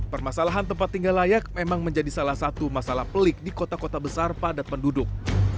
permasalahan tempat tinggal layak memang menjadi salah satu masalah pelik di kota kota besar padat penduduk